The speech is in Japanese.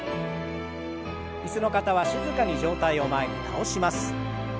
椅子の方は静かに上体を前に倒します。